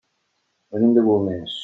Venim de Golmés.